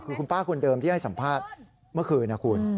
คือคุณป้าคนเดิมที่ให้สัมภาษณ์เมื่อคืนนะคุณ